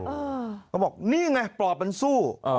เขาบอกนี่ไงปลอบมันสู้